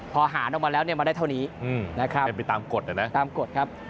พอหารออกมาแล้วมันได้เท่านี้ไปตามกฎเลยนะตามกฎครับ